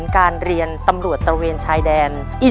ในแคมเปญพิเศษเกมต่อชีวิตโรงเรียนของหนู